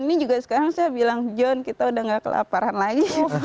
ini juga sekarang saya bilang john kita udah gak kelaparan lagi